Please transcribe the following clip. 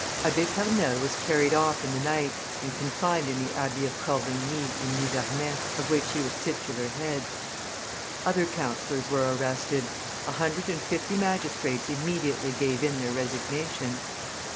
Abbe Pernelle was carried off in the night, and confined in the abbey of Corbigny, in Nivernais, of which he was titular head. Other councillors were arrested; a hundred and fifty magistrates immediately gave in their resignation.